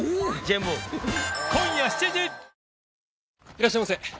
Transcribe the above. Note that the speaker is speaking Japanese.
いらっしゃいませ。